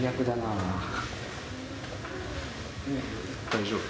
大丈夫。